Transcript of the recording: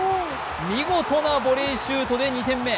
見事なボレーシュートで２点目。